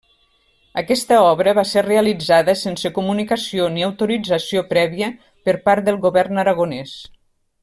Aquesta obra va ser realitzada sense comunicació ni autorització prèvia per part del govern aragonès.